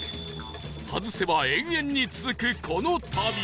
外せば永遠に続くこの旅